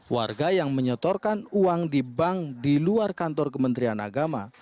warga yang menyetorkan uang di bank di luar kantor kementerian agama